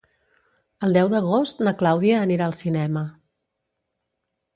El deu d'agost na Clàudia anirà al cinema.